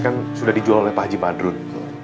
kan sudah dijual oleh pak haji madrun